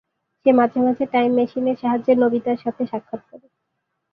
সে মাঝে মাঝে টাইম মেশিনের সাহায্যে নোবিতার সাথে সাক্ষাৎ করে।